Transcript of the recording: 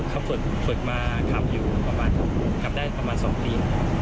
เขาฝึกมาขับได้ประมาณสองปี